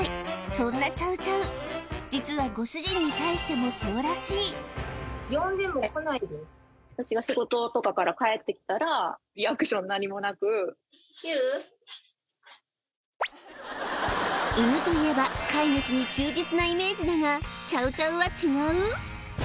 そんなチャウ・チャウ実はご主人に対してもそうらしい犬といえば飼い主に忠実なイメージだがチャウ・チャウは違う？